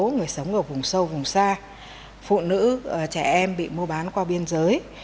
người sống ở vùng sâu vùng xa phụ nữ trẻ em bị mua bán qua biên giới